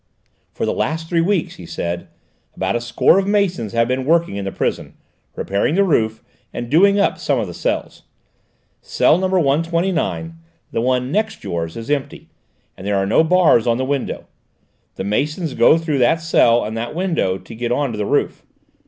"For the last three weeks," he said, "about a score of masons have been working in the prison, repairing the roof and doing up some of the cells. Cell number 129, the one next yours, is empty, and there are no bars on the window; the masons go through that cell and that window to get on to the roof.